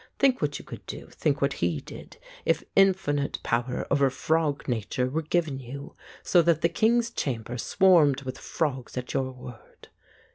Think what you could do, think what he did, if infinite power over frog nature were given you, so that the king's 192 The Ape chamber swarmed with frogs at your word.